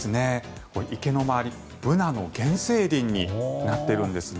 池の周り、ブナの原生林になっているんですね。